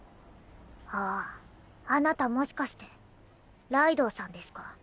あああなたもしかしてライドウさんですか？